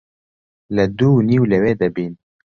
لە دوو و نیو لەوێ دەبین.